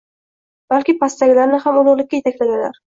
Balki pastdagilarni ham ulugʻlikka yetaklaganlar.